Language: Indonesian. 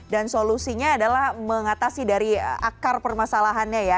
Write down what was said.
dan solusinya adalah mengatasi dari akar permasalahannya ya